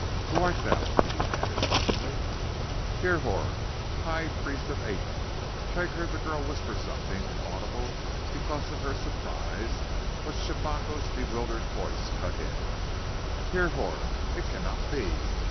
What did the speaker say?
"Who art thou?" he demanded suddenly. "Hrihor, High Priest of Aten." Craig heard the girl whisper something, inaudible because of her surprise, but Shabako's bewildered voice cut in: "Hrihor! It cannot be!